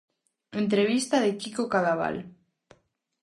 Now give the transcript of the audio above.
Entrevista de Quico Cadaval.